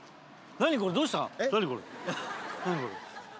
何これ。